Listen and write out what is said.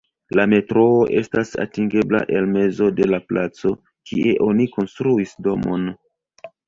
La metroo estas atingebla el mezo de la placo, kie oni konstruis domon.